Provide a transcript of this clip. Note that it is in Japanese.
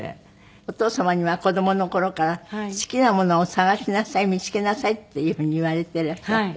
お父様には子どもの頃から「好きなものを探しなさい見付けなさい」っていう風に言われてらっしゃった？